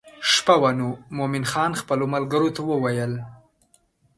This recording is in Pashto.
شپه وه نو مومن خان خپلو ملګرو ته وویل.